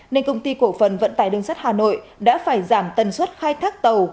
nên công ty cổ phần vận tải đường sắt hà nội đã phải giảm tần suất khai thác tàu